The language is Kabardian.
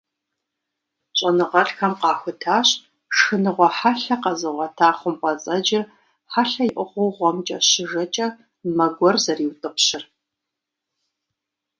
ЩӀэныгъэлӀхэм къахутащ шхыныгъуэ хьэлъэ къэзыгъуэта хъумпӀэцӀэджыр хьэлъэ иӀыгъыу гъуэмкӀэ щыжэкӀэ, мэ гуэр зэриутӀыпщыр.